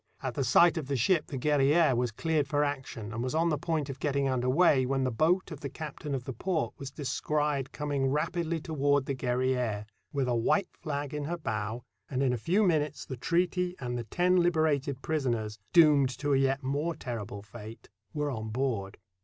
At the sight of the ship the Guerriere was cleared for action and was on the point of getting under way when the boat of the captain of the port was descried coming rapidly toward the Guerriere, with a white flag in her bow, and in a few minutes the treaty and the ten hberated prisoners, doomed to a yet more terrible fate, were on board.